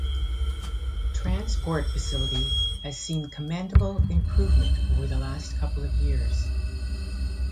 Transport facility has seen commendable improvement over the last couple of years.